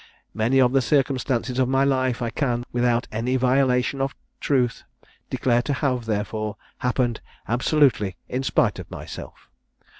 Many of the circumstances of my life I can, without any violation of truth, declare to have, therefore, happened absolutely in spite of myself.